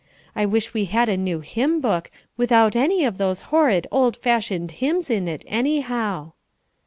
I wish we had a new hymn book, without any of those horrid, old fashioned hymns in it, anyhow."